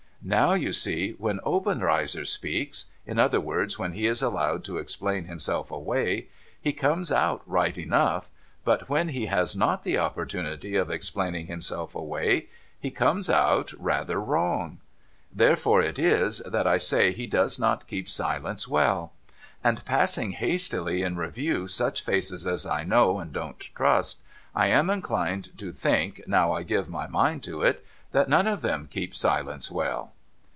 Now, you see, when Obenreizer speaks — in other words, when he is allowed to explain himself away — he comes out right enough ; but Avhen he has not the opportunity of explain ing himself away, he comes out rather wrong. Therefore it is, that I say he does not keep silence well. And passing hastily in review such faces as I know, and don't trust, I am inclined to think, now I give my mind to it, that none of them keep silence well.'